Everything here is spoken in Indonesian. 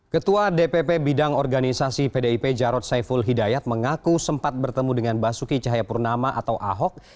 ketua dpp bidang organisasi pdip jarod saiful hidayat mengaku sempat bertemu dengan basuki cahayapurnama atau ahok